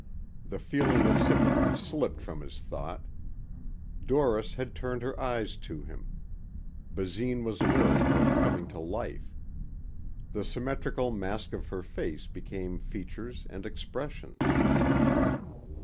The feeling of sympathy slipped from his thought. Doris had turned her eyes to him. Basine was aware of her coming to life. The symmetrical mask of her face became features and expressions.